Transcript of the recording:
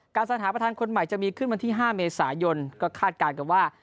สถาประธานคนใหม่จะมีขึ้นวันที่๕เมษายนก็คาดการณ์กันว่า